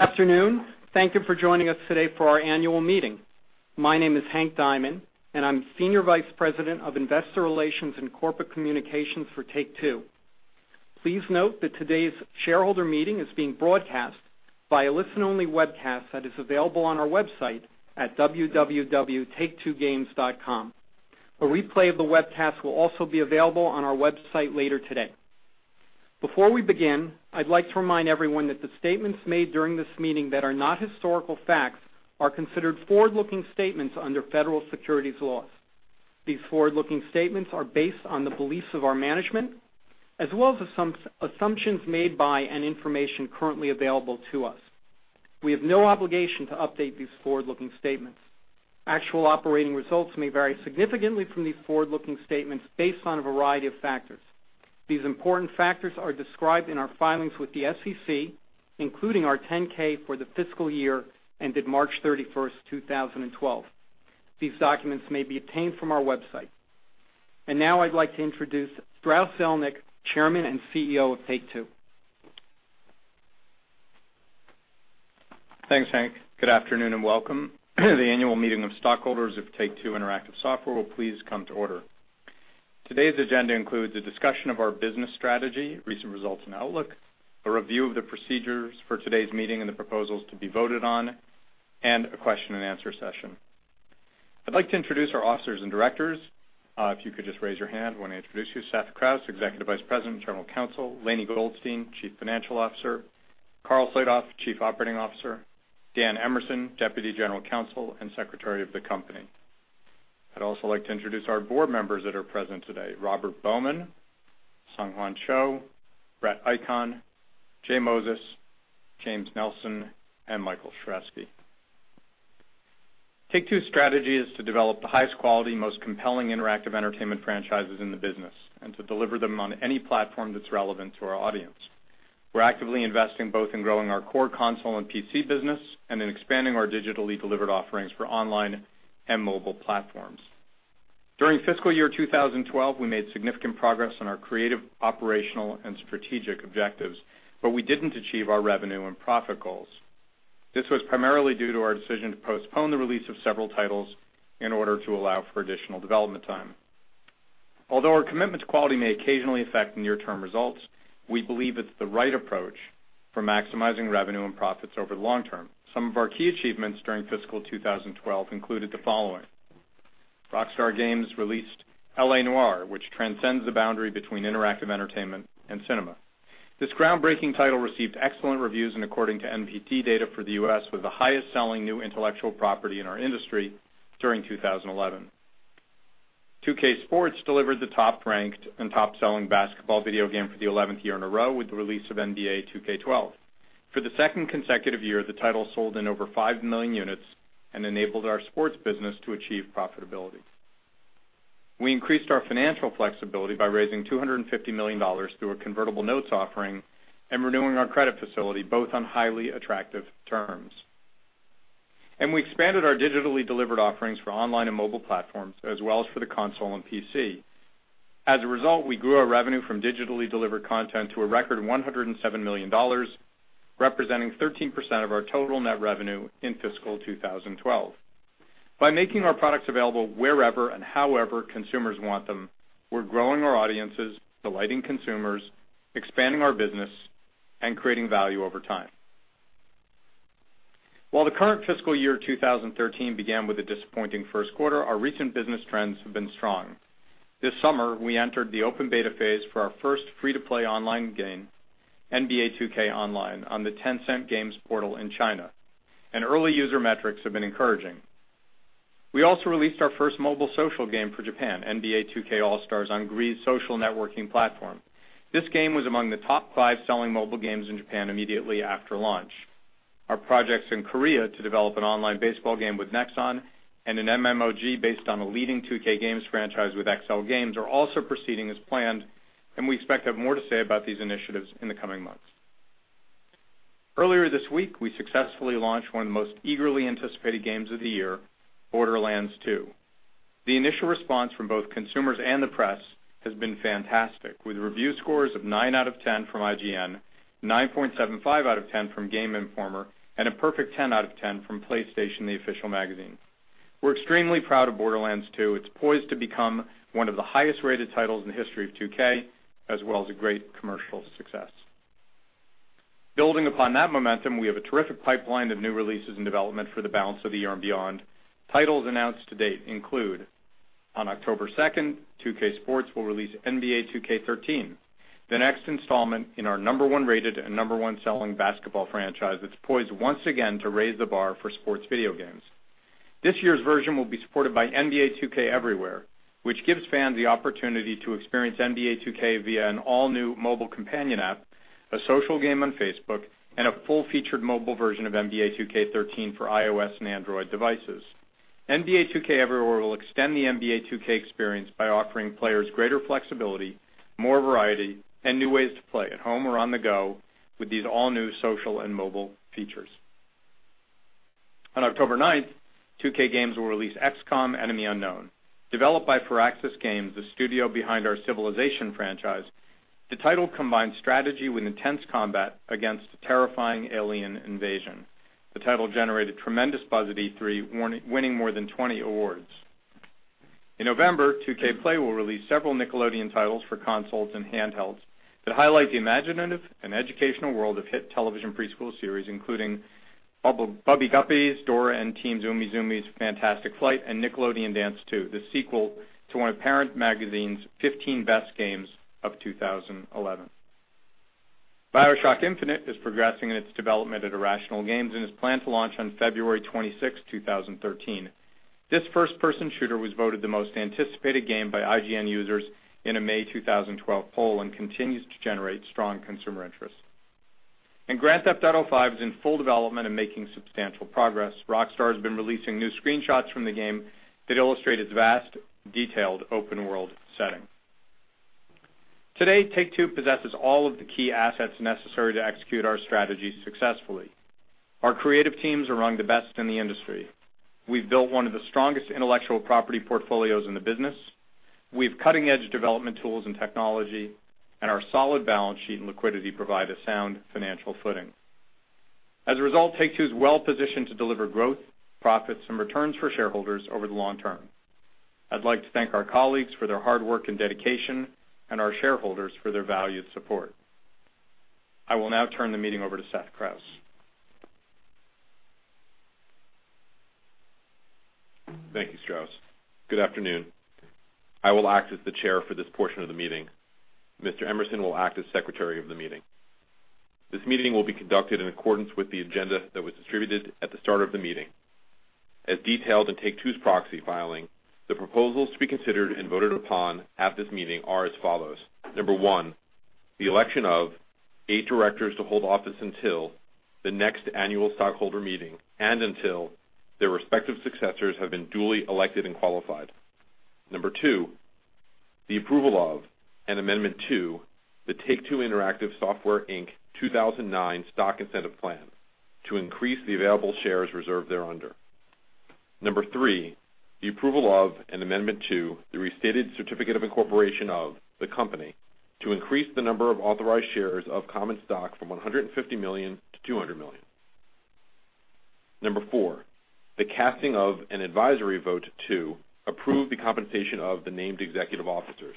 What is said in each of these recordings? Afternoon. Thank you for joining us today for our annual meeting. My name is Hank Diamond, and I'm Senior Vice President of Investor Relations and Corporate Communications for Take-Two. Please note that today's shareholder meeting is being broadcast by a listen-only webcast that is available on our website at www.taketwogames.com. A replay of the webcast will also be available on our website later today. Before we begin, I'd like to remind everyone that the statements made during this meeting that are not historical facts are considered forward-looking statements under federal securities laws. These forward-looking statements are based on the beliefs of our management, as well as assumptions made by and information currently available to us. We have no obligation to update these forward-looking statements. Actual operating results may vary significantly from these forward-looking statements based on a variety of factors. These important factors are described in our filings with the SEC, including our 10-K for the fiscal year ended March 31st, 2012. These documents may be obtained from our website. Now I'd like to introduce Strauss Zelnick, Chairman and CEO of Take-Two. Thanks, Hank. Good afternoon and welcome. The annual meeting of stockholders of Take-Two Interactive Software will please come to order. Today's agenda includes a discussion of our business strategy, recent results and outlook, a review of the procedures for today's meeting and the proposals to be voted on, and a question and answer session. I'd like to introduce our officers and directors. If you could just raise your hand when I introduce you. Seth Krauss, Executive Vice President and General Counsel, Lainie Goldstein, Chief Financial Officer, Karl Slatoff, Chief Operating Officer, Dan Emerson, Deputy General Counsel and Secretary of the company. I'd also like to introduce our board members that are present today, Robert Bowman, Sung Hwan Cho, Brett Icahn, Jay Moses, James Nelson, and Michael Sheresky. Take-Two's strategy is to develop the highest quality, most compelling interactive entertainment franchises in the business and to deliver them on any platform that's relevant to our audience. We're actively investing both in growing our core console and PC business and in expanding our digitally delivered offerings for online and mobile platforms. During fiscal year 2012, we made significant progress on our creative, operational, and strategic objectives, but we didn't achieve our revenue and profit goals. This was primarily due to our decision to postpone the release of several titles in order to allow for additional development time. Although our commitment to quality may occasionally affect near-term results, we believe it's the right approach for maximizing revenue and profits over the long term. Some of our key achievements during fiscal 2012 included the following. Rockstar Games released L.A. Noire, which transcends the boundary between interactive entertainment and cinema. This groundbreaking title received excellent reviews and according to NPD data for the U.S., was the highest-selling new intellectual property in our industry during 2011. 2K Sports delivered the top-ranked and top-selling basketball video game for the 11th year in a row with the release of NBA 2K12. For the second consecutive year, the title sold in over 5 million units and enabled our sports business to achieve profitability. We increased our financial flexibility by raising $250 million through a convertible notes offering and renewing our credit facility, both on highly attractive terms. We expanded our digitally delivered offerings for online and mobile platforms, as well as for the console and PC. As a result, we grew our revenue from digitally delivered content to a record $107 million, representing 13% of our total net revenue in fiscal 2012. By making our products available wherever and however consumers want them, we're growing our audiences, delighting consumers, expanding our business, and creating value over time. While the current fiscal year 2013 began with a disappointing first quarter, our recent business trends have been strong. This summer, we entered the open beta phase for our first free-to-play online game, NBA 2K Online, on the Tencent Games portal in China, and early user metrics have been encouraging. We also released our first mobile social game for Japan, NBA 2K All-Stars on GREE's social networking platform. This game was among the top five selling mobile games in Japan immediately after launch. Our projects in Korea to develop an online baseball game with Nexon and an MMOG based on a leading 2K Games franchise with XLGAMES are also proceeding as planned. We expect to have more to say about these initiatives in the coming months. Earlier this week, we successfully launched one of the most eagerly anticipated games of the year, Borderlands 2. The initial response from both consumers and the press has been fantastic, with review scores of nine out of 10 from IGN, 9.75 out of 10 from Game Informer, and a perfect 10 out of 10 from PlayStation: The Official Magazine. We're extremely proud of Borderlands 2. It's poised to become one of the highest-rated titles in the history of 2K, as well as a great commercial success. Building upon that momentum, we have a terrific pipeline of new releases in development for the balance of the year and beyond. Titles announced to date include on October second, 2K Sports will release NBA 2K13, the next installment in our number one rated and number one selling basketball franchise that's poised once again to raise the bar for sports video games. This year's version will be supported by NBA 2K Everywhere, which gives fans the opportunity to experience NBA 2K via an all-new mobile companion app, a social game on Facebook, and a full-featured mobile version of NBA 2K13 for iOS and Android devices. NBA 2K Everywhere will extend the NBA 2K experience by offering players greater flexibility, more variety, and new ways to play at home or on the go with these all new social and mobile features. On October 9th, 2K Games will release "XCOM: Enemy Unknown," developed by Firaxis Games, the studio behind our "Civilization" franchise. The title combines strategy with intense combat against a terrifying alien invasion. The title generated tremendous buzz at E3, winning more than 20 awards. In November, 2K Play will release several Nickelodeon titles for consoles and handhelds that highlight the imaginative and educational world of hit television preschool series, including "Bubble Guppies," "Dora & Team Umizoomi's Fantastic Flight," and "Nickelodeon Dance 2," the sequel to one of Parents Magazine's 15 best games of 2011. "BioShock Infinite" is progressing in its development at Irrational Games and is planned to launch on February 26, 2013. This first-person shooter was voted the most anticipated game by IGN users in a May 2012 poll and continues to generate strong consumer interest. "Grand Theft Auto V" is in full development and making substantial progress. Rockstar has been releasing new screenshots from the game that illustrate its vast, detailed open-world setting. Today, Take-Two possesses all of the key assets necessary to execute our strategy successfully. Our creative teams are among the best in the industry. We've built one of the strongest intellectual property portfolios in the business. We have cutting-edge development tools and technology, and our solid balance sheet and liquidity provide a sound financial footing. As a result, Take-Two is well-positioned to deliver growth, profits, and returns for shareholders over the long term. I'd like to thank our colleagues for their hard work and dedication and our shareholders for their valued support. I will now turn the meeting over to Seth Krauss. Thank you, Strauss. Good afternoon. I will act as the chair for this portion of the meeting. Mr. Emerson will act as secretary of the meeting. This meeting will be conducted in accordance with the agenda that was distributed at the start of the meeting. As detailed in Take-Two's proxy filing, the proposals to be considered and voted upon at this meeting are as follows. Number one, the election of eight directors to hold office until the next annual stockholder meeting and until their respective successors have been duly elected and qualified. Number two, the approval of an Amendment to the Take-Two Interactive Software, Inc. 2009 stock incentive plan to increase the available shares reserved thereunder. Number three, the approval of an Amendment to the restated certificate of incorporation of the company to increase the number of authorized shares of common stock from $150 million to $200 million. Number four, the casting of an advisory vote to approve the compensation of the named executive officers.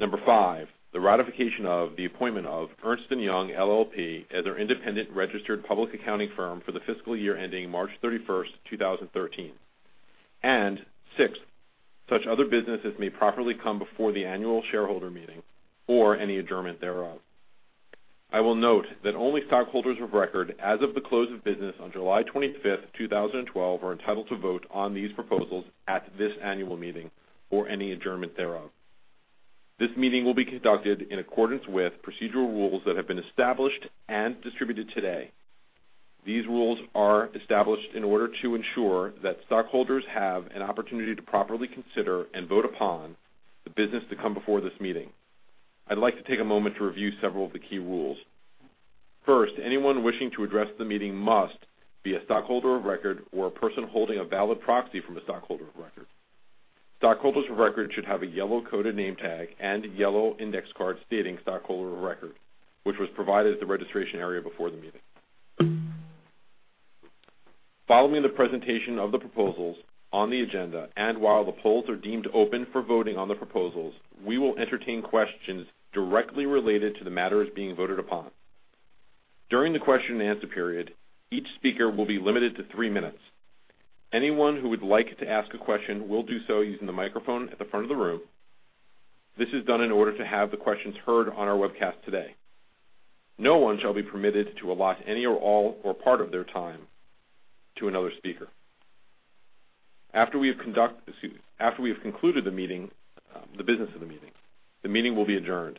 Number five, the ratification of the appointment of Ernst & Young LLP as our independent registered public accounting firm for the fiscal year ending March 31, 2013. Sixth, such other business as may properly come before the annual shareholder meeting or any adjournment thereof. I will note that only stockholders of record as of the close of business on July 25, 2012, are entitled to vote on these proposals at this annual meeting or any adjournment thereof. This meeting will be conducted in accordance with procedural rules that have been established and distributed today. These rules are established in order to ensure that stockholders have an opportunity to properly consider and vote upon the business to come before this meeting. I'd like to take a moment to review several of the key rules. First, anyone wishing to address the meeting must be a stockholder of record or a person holding a valid proxy from a stockholder of record. Stockholders of record should have a yellow coded name tag and yellow index card stating stockholder of record, which was provided at the registration area before the meeting. Following the presentation of the proposals on the agenda and while the polls are deemed open for voting on the proposals, we will entertain questions directly related to the matters being voted upon. During the question and answer period, each speaker will be limited to three minutes. Anyone who would like to ask a question will do so using the microphone at the front of the room. This is done in order to have the questions heard on our webcast today. No one shall be permitted to allot any or all or part of their time to another speaker. After we have concluded the business of the meeting, the meeting will be adjourned.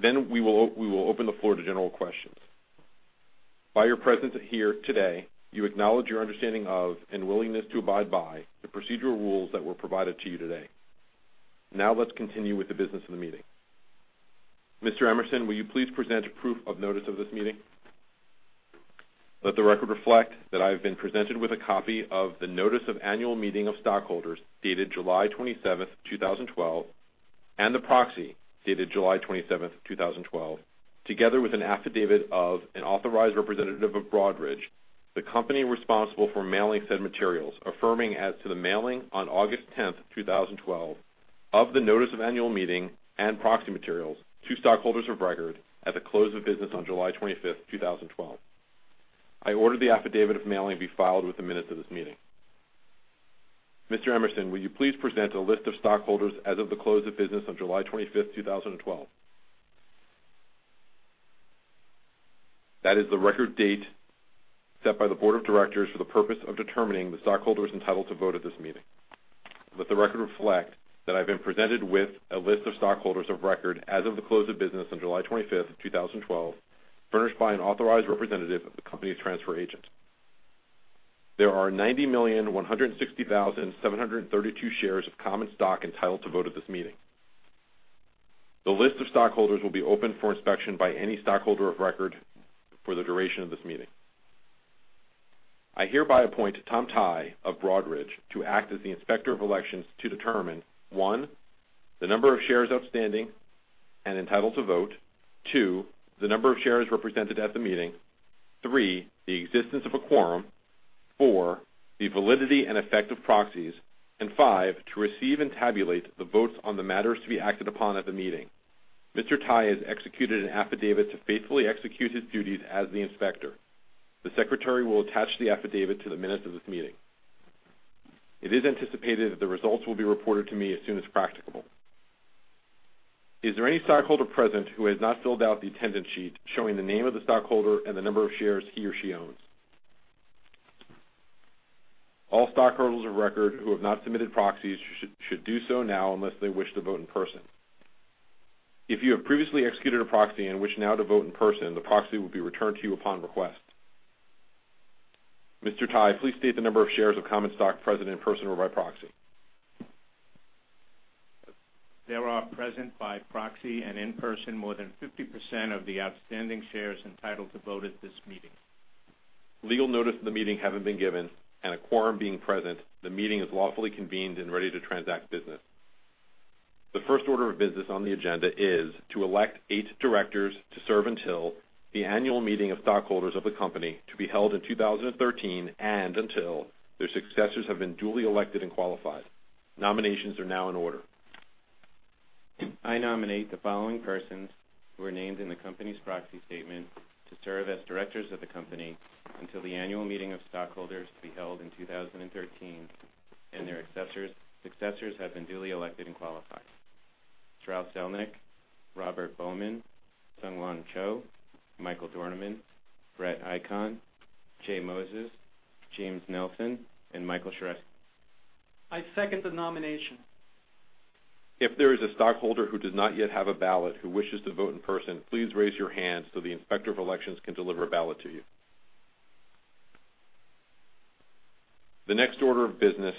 We will open the floor to general questions. By your presence here today, you acknowledge your understanding of and willingness to abide by the procedural rules that were provided to you today. Let's continue with the business of the meeting. Mr. Emerson, will you please present proof of notice of this meeting? Let the record reflect that I have been presented with a copy of the Notice of Annual Meeting of Stockholders dated July 27th, 2012, and the proxy dated July 27th, 2012, together with an affidavit of an authorized representative of Broadridge, the company responsible for mailing said materials, affirming as to the mailing on August 10th, 2012, of the notice of annual meeting and proxy materials to stockholders of record at the close of business on July 25th, 2012. I order the affidavit of mailing be filed with the minutes of this meeting. Mr. Emerson, will you please present a list of stockholders as of the close of business on July 25th, 2012? That is the record date set by the board of directors for the purpose of determining the stockholders entitled to vote at this meeting. Let the record reflect that I've been presented with a list of stockholders of record as of the close of business on July 25th, 2012, furnished by an authorized representative of the company's transfer agent. There are 90,160,732 shares of common stock entitled to vote at this meeting. The list of stockholders will be open for inspection by any stockholder of record for the duration of this meeting. I hereby appoint Tom Tighe of Broadridge to act as the Inspector of Elections to determine, one, the number of shares outstanding and entitled to vote. Two, the number of shares represented at the meeting. Three, the existence of a quorum. Four, the validity and effect of proxies. Five, to receive and tabulate the votes on the matters to be acted upon at the meeting. Mr. Tighe has executed an affidavit to faithfully execute his duties as the inspector. The secretary will attach the affidavit to the minutes of this meeting. It is anticipated that the results will be reported to me as soon as practicable. Is there any stockholder present who has not filled out the attendance sheet showing the name of the stockholder and the number of shares he or she owns? All stockholders of record who have not submitted proxies should do so now unless they wish to vote in person. If you have previously executed a proxy and wish now to vote in person, the proxy will be returned to you upon request. Mr. Tighe, please state the number of shares of common stock present in person or by proxy. There are present by proxy and in person more than 50% of the outstanding shares entitled to vote at this meeting. Legal notice of the meeting having been given and a quorum being present, the meeting is lawfully convened and ready to transact business. The first order of business on the agenda is to elect eight directors to serve until the annual meeting of stockholders of the company to be held in 2013, and until their successors have been duly elected and qualified. Nominations are now in order. I nominate the following persons who are named in the company's proxy statement to serve as directors of the company until the annual meeting of stockholders to be held in 2013, and their successors have been duly elected and qualified. Strauss Zelnick, Robert Bowman, Sung Hwan Cho, Michael Dornemann, Brett Icahn, Jay Moses, James Nelson, and Michael Sheresky. I second the nomination. If there is a stockholder who does not yet have a ballot who wishes to vote in person, please raise your hand so the Inspector of Elections can deliver a ballot to you. The next order of business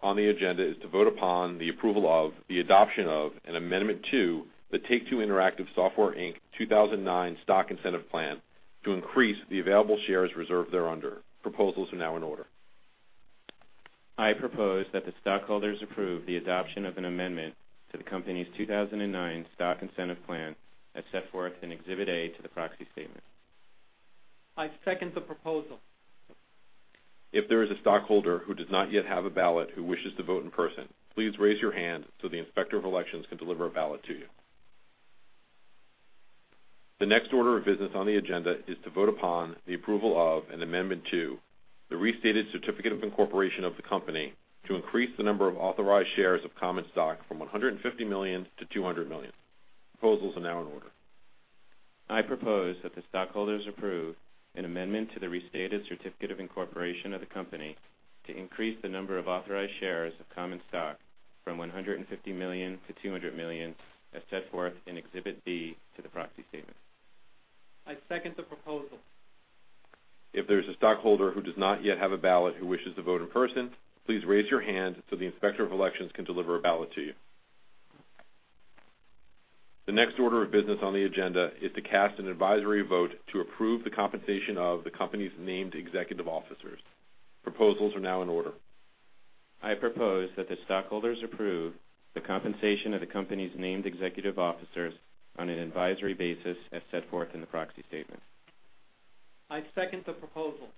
on the agenda is to vote upon the approval of the adoption of an amendment to the Take-Two Interactive Software, Inc. 2009 stock incentive plan to increase the available shares reserved thereunder. Proposals are now in order. I propose that the stockholders approve the adoption of an amendment to the company's 2009 stock incentive plan as set forth in Exhibit A to the proxy statement. I second the proposal. If there is a stockholder who does not yet have a ballot who wishes to vote in person, please raise your hand so the Inspector of Elections can deliver a ballot to you. The next order of business on the agenda is to vote upon the approval of an amendment to the restated certificate of incorporation of the company to increase the number of authorized shares of common stock from $150 million to $200 million. Proposals are now in order. I propose that the stockholders approve an amendment to the restated certificate of incorporation of the company to increase the number of authorized shares of common stock from $150 million to $200 million as set forth in Exhibit B to the proxy statement. I second the proposal. If there's a stockholder who does not yet have a ballot who wishes to vote in person, please raise your hand so the Inspector of Elections can deliver a ballot to you. The next order of business on the agenda is to cast an advisory vote to approve the compensation of the company's named executive officers. Proposals are now in order. I propose that the stockholders approve the compensation of the company's named executive officers on an advisory basis as set forth in the proxy statement. I second the proposal.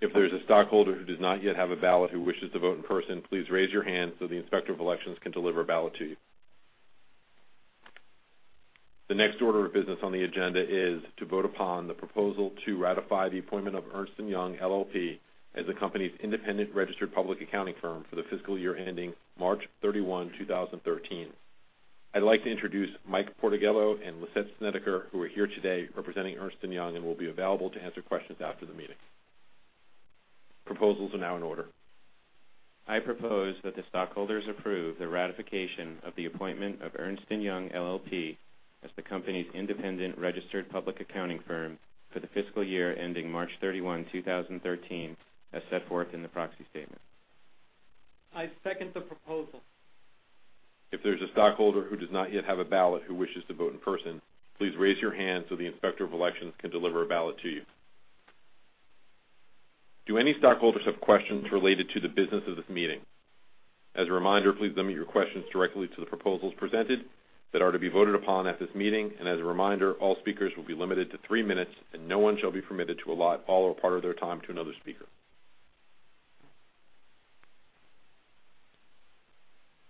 If there's a stockholder who does not yet have a ballot who wishes to vote in person, please raise your hand so the Inspector of Elections can deliver a ballot to you. The next order of business on the agenda is to vote upon the proposal to ratify the appointment of Ernst & Young LLP as the company's independent registered public accounting firm for the fiscal year ending March 31, 2013. I'd like to introduce Mike Portigello and Lisette Snedeker, who are here today representing Ernst & Young and will be available to answer questions after the meeting. Proposals are now in order. I propose that the stockholders approve the ratification of the appointment of Ernst & Young LLP as the company's independent registered public accounting firm for the fiscal year ending March 31, 2013, as set forth in the proxy statement. I second the proposal. If there's a stockholder who does not yet have a ballot who wishes to vote in person, please raise your hand so the Inspector of Elections can deliver a ballot to you. Do any stockholders have questions related to the business of this meeting? As a reminder, please limit your questions directly to the proposals presented that are to be voted upon at this meeting. As a reminder, all speakers will be limited to three minutes, and no one shall be permitted to allot all or part of their time to another speaker.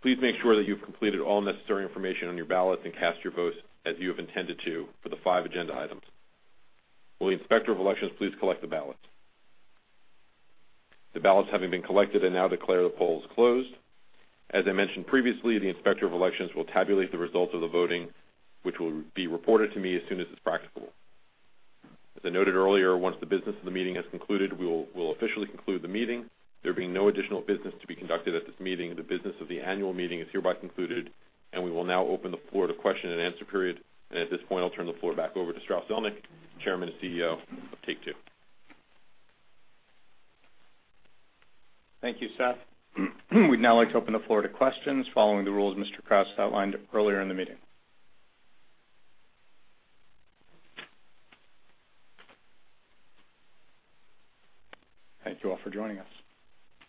Please make sure that you've completed all necessary information on your ballot and cast your vote as you have intended to for the five agenda items. Will the Inspector of Elections please collect the ballots? The ballots having been collected, I now declare the polls closed. As I mentioned previously, the Inspector of Elections will tabulate the results of the voting, which will be reported to me as soon as it's practicable. As I noted earlier, once the business of the meeting has concluded, we'll officially conclude the meeting. There being no additional business to be conducted at this meeting, the business of the annual meeting is hereby concluded, and we will now open the floor to question and answer period. At this point, I'll turn the floor back over to Strauss Zelnick, Chairman and CEO of Take-Two. Thank you, Seth. We'd now like to open the floor to questions following the rules Mr. Krauss outlined earlier in the meeting. Thank you all for joining us.